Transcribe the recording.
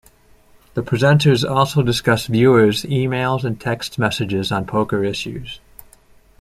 The presenters also discuss viewers' emails and text messages on poker issues.